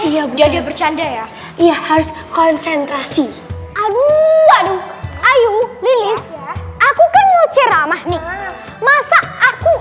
iya jadi bercanda ya iya harus konsentrasi aduh aduh ayo aku kan ngeceramah nih masa aku